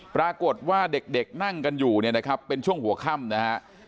ปรากฏว่าเด็กนั่งกันอยู่เนี่ยนะครับเป็นช่วงหัวค่ำนะฮะ